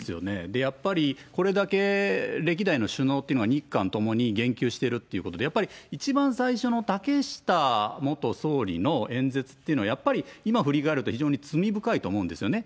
でやっぱり、これだけ歴代の首脳っていうのは、日韓ともに言及してるということで、やっぱり一番最初の竹下元総理の演説っていうのは、やっぱり今振り返ると、非常に罪深いと思うんですよね。